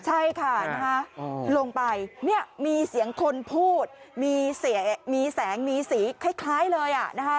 ใช่ค่ะลงไปเนี่ยมีเสียงคนพูดมีแสงมีสีคล้ายเลย